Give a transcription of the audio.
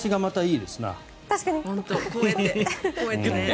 こうやって。